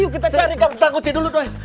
kita kucing dulu doi